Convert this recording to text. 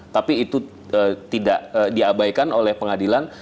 tapi itu tidak diabaikan oleh pengadilan